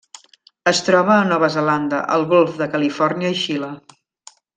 Es troba a Nova Zelanda, el Golf de Califòrnia i Xile.